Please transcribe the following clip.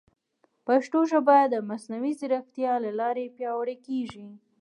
پښتو ژبه د مصنوعي ځیرکتیا له لارې پیاوړې کیږي.